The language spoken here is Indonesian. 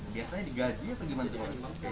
biasanya digaji atau gimana